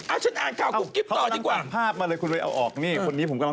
อะฉันอ่านข่าวกุบกิฟต์ต่อดีกว่า